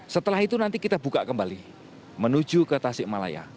setelah itu nanti kita buka kembali menuju ke tasik malaya